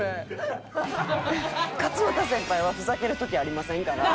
勝俣先輩はふざける時ありませんから。